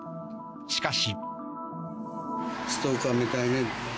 しかし。